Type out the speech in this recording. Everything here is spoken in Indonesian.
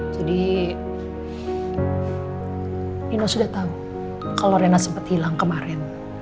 jadi rina sudah tahu kalau rina sempat hilang kemarin